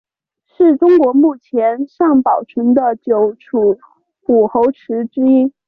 是中国目前尚保存的九处武侯祠之一。